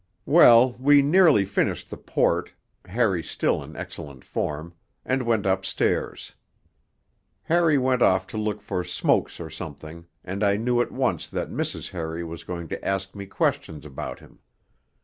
Well, we nearly finished the port Harry still in excellent form and went upstairs. Harry went off to look for smokes or something, and I knew at once that Mrs. Harry was going to ask me questions about him.